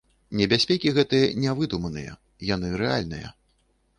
Небяспекі гэтыя не выдуманыя, яны рэальныя.